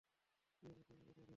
প্রিয় বন্ধু আমায় জড়িয়ে ধর।